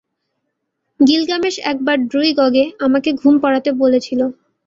Gilgamesh একবার ড্রুইগকে আমাকে ঘুম পাড়াতে বলেছিলো।